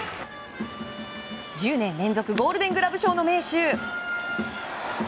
１０年連続ゴールデン・グラブ賞の名手。